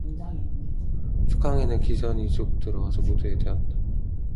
축항에는 기선이 죽 들어와서 부두에 대었다.